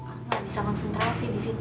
aku nggak bisa konsentrasi di sini